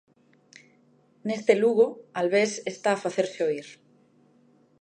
Neste Lugo, Albés está a facerse oír.